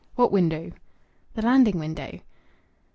"What window?" "The landing window."